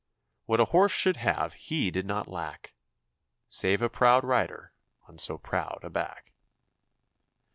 What a horse should have he did not lack, Save a proud rider on so proud a back.